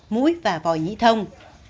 mũi và vòi nhĩ thông